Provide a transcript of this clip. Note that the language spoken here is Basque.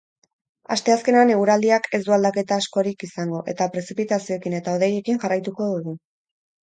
Asteazkenean eguraldiak ez du aldaketa askorik izango eta prezipitazioekin eta hodeiekin jarraituko dutu.